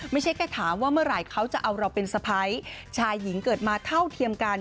ไม่ใช่แค่ถามว่าเมื่อไหร่เขาจะเอาเราเป็นสะพ้ายชายหญิงเกิดมาเท่าเทียมกัน